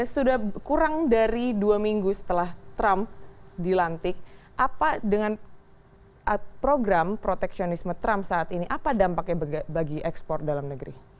sudah kurang dari dua minggu setelah trump dilantik apa dengan program proteksionisme trump saat ini apa dampaknya bagi ekspor dalam negeri